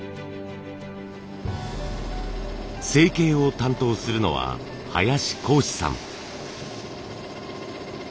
成形を担当するのは林幸司さん。